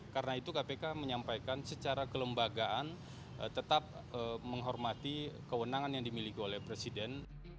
karena itu kpk menyampaikan secara kelembagaan tetap menghormati kewenangan yang dimiliki oleh presiden